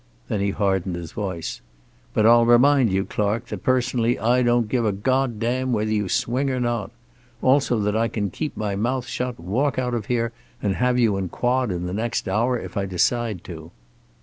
Then he hardened his voice. "But I'll remind you, Clark, that personally I don't give a God damn whether you swing or not. Also that I can keep my mouth shut, walk out of here, and have you in quod in the next hour, if I decide to."